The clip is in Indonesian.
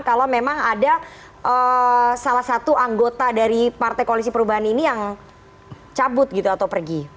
kalau memang ada salah satu anggota dari partai koalisi perubahan ini yang cabut gitu atau pergi